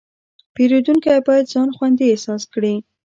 پیرودونکی باید ځان خوندي احساس کړي.